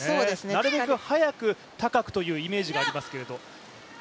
なるべく早く高くというイメージがありますけれど。